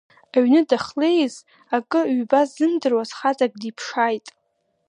Аҩны дахлеиз акы, ҩба ззымдыруаз хаҵак диԥшааит.